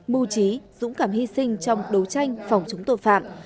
mưu trí dũng cảm hy sinh trong đấu tranh phòng chống tội phạm